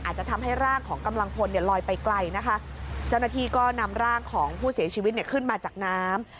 อาจจะทำให้ร่างของกำลังพลเนี่ยลอยไปไกลนะคะเจ้าหน้าที่ก็นำร่างของผู้เสียชีวิตเนี่ยขึ้นมาจากน้ำ